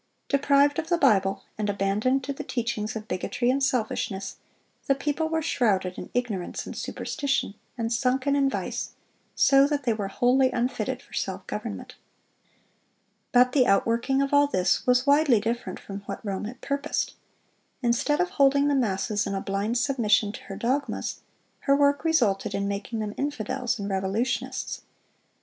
Deprived of the Bible, and abandoned to the teachings of bigotry and selfishness, the people were shrouded in ignorance and superstition, and sunken in vice, so that they were wholly unfitted for self government. But the outworking of all this was widely different from what Rome had purposed. Instead of holding the masses in a blind submission to her dogmas, her work resulted in making them infidels and revolutionists.